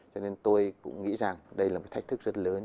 cho nên tôi cũng nghĩ rằng đây là một thách thức rất lớn